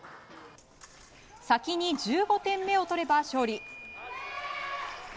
先に１５点目を取れば勝利。